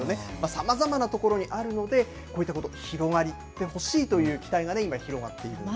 さまざまなところにあるので、こういったこと広がってほしいという期待が今、広がっているんです。